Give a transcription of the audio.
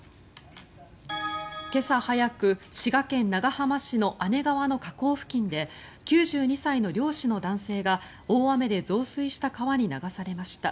今朝早く、滋賀県長浜市の姉川の河口付近で９２歳の漁師の男性が大雨で増水した川に流されました。